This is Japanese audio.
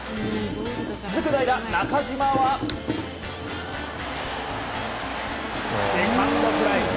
続く代打、中島はセカンドフライ。